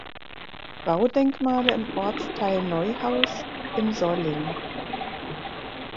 Baudenkmale im Ortsteil Neuhaus im Solling.